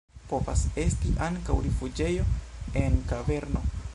Povas esti ankaŭ rifuĝejo en kaverno.